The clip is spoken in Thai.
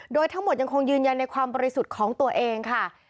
โดยทั้งหมดยังคงยืนยันในความบริสุทธิ์ของตัวเองค่ะ